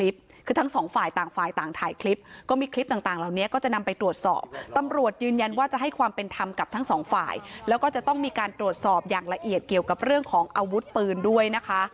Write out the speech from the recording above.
เพราะว่ามีคลิปคือทั้งสองฝ่าย